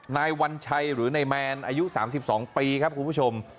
นายวัญชัยหรือนายแมนอายุ๓๒ปีครับคุณผู้ชม